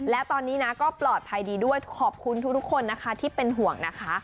และตอนนี้นะก็ปลอดภัยดีด้วยขอบคุณทุกคนนะคะที่เป็นห่วงนะคะ